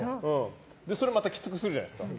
それまたきつくするじゃないですか。